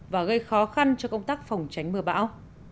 và gây khó khăn cho công tác phòng tránh mưa bão